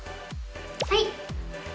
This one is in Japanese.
はい。